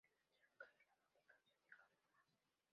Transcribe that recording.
La industria local era la fabricación de canoas.